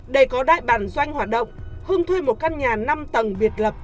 để có đại bản doanh hoạt động hưng thuê một căn nhà năm tầng biệt lập